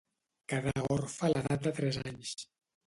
Quedà orfe a l'edat de tres anys.